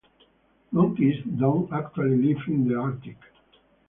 Monkeys don't actually live in the Arctic.